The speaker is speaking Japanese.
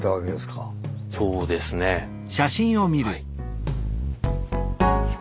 そうですねはい。